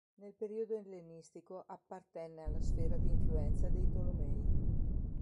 Nel periodo ellenistico appartenne alla sfera di influenza dei Tolomei.